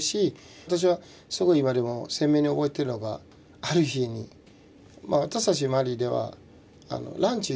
私はすごい今でも鮮明に覚えてるのがある日に私たちマリではランチを家で食べるんですよ。